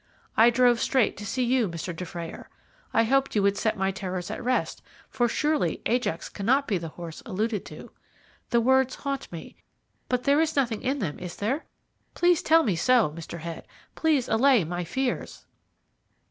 I drove straight to see you, Mr. Dufrayer. I hoped you would set my terrors at rest, for surely Ajax cannot be the horse alluded to. The words haunt me, but there is nothing in them, is there? Please tell me so, Mr. Head please allay my fears."